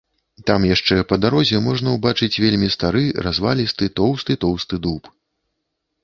Там яшчэ па дарозе можна ўбачыць вельмі стары развалісты тоўсты-тоўсты дуб.